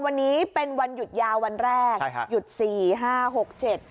วันนี้เป็นวันหยุดยาววันแรกใช่ครับหยุดสี่ห้าหกเจ็ด